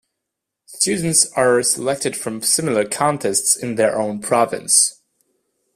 Students are selected from similar contests in their own province.